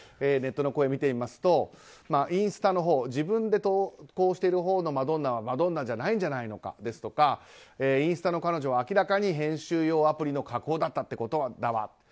ネットの声を見てみますとインスタ、自分で投稿しているほうのマドンナはマドンナじゃないんじゃないのかですとかインスタの彼女は明らかに編集アプリの加工だったってことだわ。